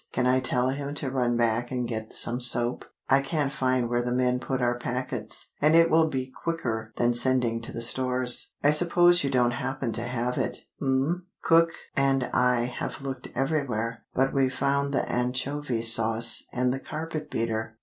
Can I tell him to run back and get some soap? I can't find where the men put our packets, and it will be quicker than sending to the Stores. I suppose you don't happen to have seen it, m'm? Cook and I have looked everywhere. But we've found the anchovy sauce, and the carpet beater.